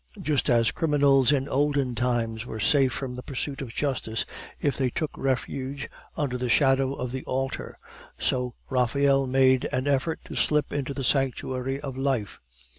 Just as criminals in olden times were safe from the pursuit of justice, if they took refuge under the shadow of the altar, so Raphael made an effort to slip into the sanctuary of life.